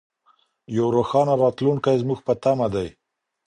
یو روښانه راتلونکی زموږ په تمه دی.